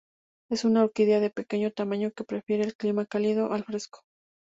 Es una orquídea de pequeño tamaño que prefiere el clima cálido al fresco.